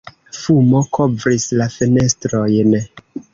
Fumo kovris la fenestrojn.